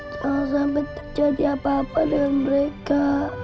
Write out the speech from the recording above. jangan sampai terjadi apa apa dengan mereka